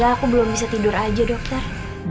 aku belum bisa tidur aja dokter